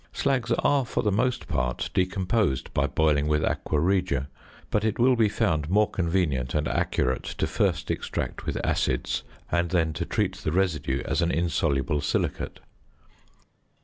Slags are for the most part decomposed by boiling with aqua regia, but it will be found more convenient and accurate to first extract with acids and then to treat the residue as an insoluble silicate.